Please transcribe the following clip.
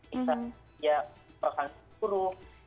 misalnya perusahaan guru